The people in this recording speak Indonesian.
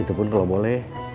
itu pun kalau boleh